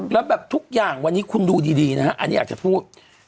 แล้วแบบทุกอย่างวันนี้คุณดูดีนะฮะอันนี้อยากจะพูด